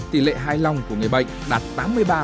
tỷ lệ hài lòng của người bệnh đạt tám mươi ba